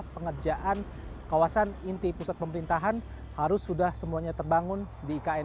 pengerjaan kawasan inti pusat pemerintahan harus sudah semuanya terbangun di ikn